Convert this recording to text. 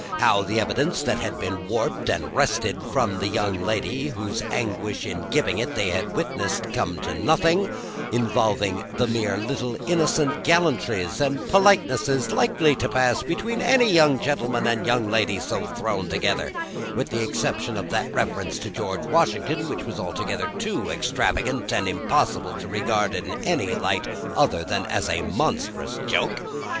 How the evidence that had been warped and wrested from the young lady, whose anguish in giving it they had witnessed, came to nothing, involving the mere little innocent gallantries and politenesses likely to pass between any young gentleman and young lady so thrown together; with the exception of that reference to George Washington, which was altogether too extravagant and impossible to be regarded in any other light than as a monstrous joke.